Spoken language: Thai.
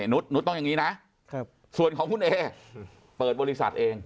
นุษนุษย์ต้องอย่างนี้นะส่วนของคุณเอเปิดบริษัทเอง